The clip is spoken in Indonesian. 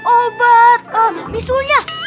obat eh bisulnya